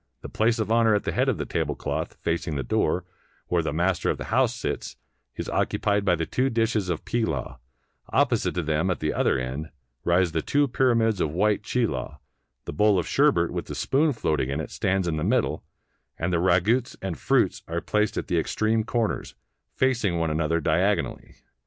The place of honor at the head of the tablecloth, facing the door, where the master of the house sits, is occupied by the two dishes of pilaw; opposite to them, at the other end, rise the two pyramids of white chilaw; the bowl of sherbet with the spoon floating in it stands in the middle; and the ragouts and fruits are placed at the extreme corners, facing one another diagonally.